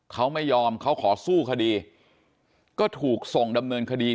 เขาไม่ยอมเขาขอสู้คดีก็ถูกส่งดำเนินคดี